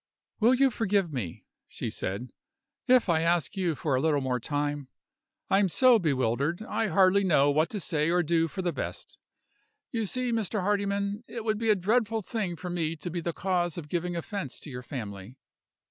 "Will you forgive me," she said, "if I ask you for a little more time? I am so bewildered, I hardly know what to say or do for the best. You see, Mr. Hardyman, it would be a dreadful thing for me to be the cause of giving offense to your family.